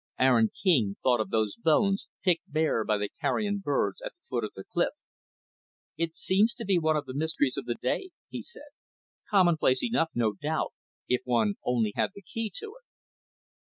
Aaron King thought of those bones, picked bare by the carrion birds, at the foot of the cliff. "It seems to be one of the mysteries of the day," he said. "Commonplace enough, no doubt, if one only had the key to it."